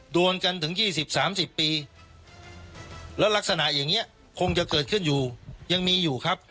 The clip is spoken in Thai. โดนกันถึง๒๐๓๐ปีแล้วลักษณะอย่างนี้คงจะเกิดขึ้นอยู่ยังมีอยู่ครับ